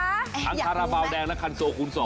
ทั้งคาราบาลแดงและคันโซคูณ๒